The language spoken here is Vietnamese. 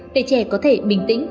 để trẻ có thể bình tĩnh